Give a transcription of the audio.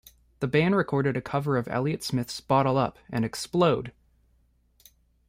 The band recorded a cover of Elliott Smith's Bottle Up and Explode!